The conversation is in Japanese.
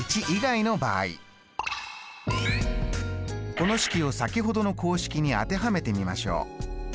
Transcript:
この式を先ほどの公式に当てはめてみましょう。